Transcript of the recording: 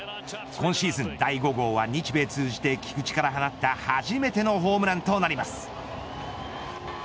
今シーズン第５号は日米通じて菊池から放った初めてのホームランとなります。